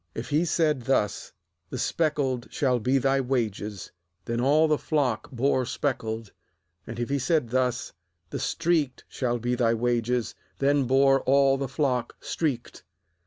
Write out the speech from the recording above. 8If he said thus: The speckled shall be thy wages; then all the flock bore speckled; and if he said thus: The streaked shall be thy wages; then bore all the flock streaked.